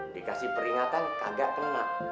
dikasih peringatan kagak kena